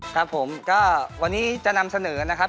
ครับผมก็วันนี้จะนำเสนอนะครับ